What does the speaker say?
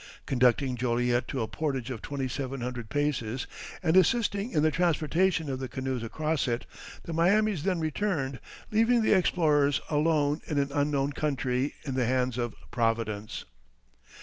Conducting Joliet to a portage of 2,700 paces, and assisting in the transportation of the canoes across it, the Miamis then returned, leaving the explorers "alone in an unknown country, in the hands of Providence."